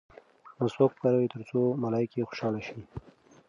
مسواک وکاروه ترڅو ملایکې خوشحاله شي.